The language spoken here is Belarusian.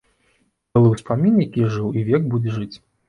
Былы ўспамін, які жыў і век будзе жыць.